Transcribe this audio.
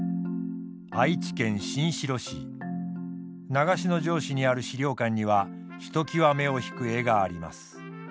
長篠城址にある資料館にはひときわ目を引く絵があります。